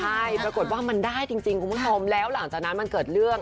ใช่ปรากฏว่ามันได้จริงคุณผู้ชมแล้วหลังจากนั้นมันเกิดเรื่อง